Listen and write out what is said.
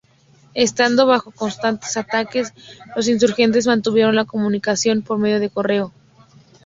Estando bajo constantes ataques, los insurgentes mantuvieron la comunicación por medio de correo.